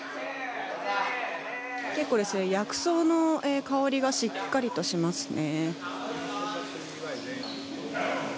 結構、薬草の香りがしっかりとしますね。